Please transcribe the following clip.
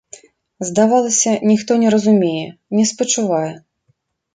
Здавалася, ніхто не разумее, не спачувае.